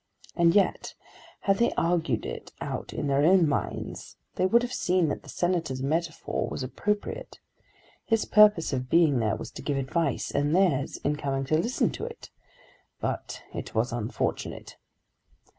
And yet, had they argued it out in their own minds, they would have seen that the Senator's metaphor was appropriate. His purpose in being there was to give advice, and theirs in coming to listen to it. But it was unfortunate.